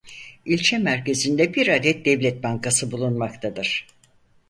İlçe merkezinde bir adet devlet bankası bulunmaktadır.